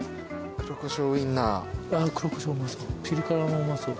ピリ辛もうまそう。